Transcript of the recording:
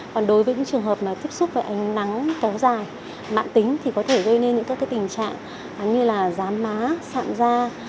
còn đối với những trường hợp tiếp xúc với ánh nắng kéo dài mạng tính thì có thể gây nên những tình trạng như giám má sạm da